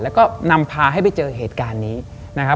แล้วก็นำพาให้ไปเจอเหตุการณ์นี้นะครับ